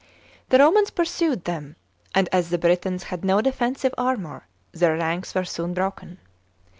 The Romans pursued them, and as the Britons had no defensive armour their ranks were soon broken.